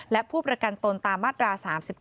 และผู้ประกันตนตามมาตรา๓๙